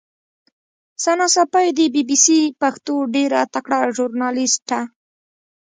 ثنا ساپۍ د بي بي سي پښتو ډېره تکړه ژورنالیسټه